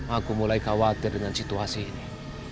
aku mulai khawatir dengan situasi ini